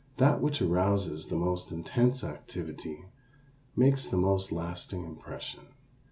That which arouses the most intense activity makes the most lasting impression.